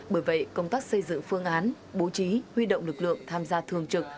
bởi vậy công tác xây dựng phương án bố trí huy động lực lượng tham gia thường trực